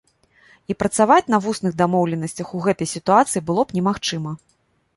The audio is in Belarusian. І працаваць на вусных дамоўленасцях у гэтай сітуацыі было б немагчыма.